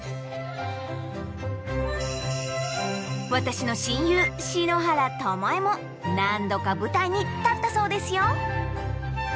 私の親友篠原ともえも何度か舞台に立ったそうですよ。